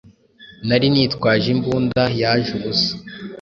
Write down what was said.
Nari nitwaje imbunda, yaje ubusa;